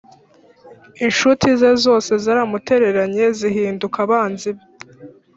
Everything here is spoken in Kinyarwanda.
incuti ze zose zaramutereranye, zihinduka abanzi be.